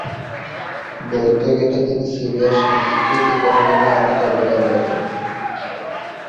বলতে গেলে তিনি সিরিয়ার সাংস্কৃতিক অঙ্গনে অনেক অবদান রাখেন।